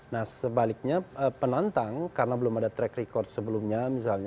nah sebaliknya penantang karena belum ada track record sebelumnya